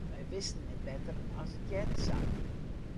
Wy wisten net better as it hearde sa.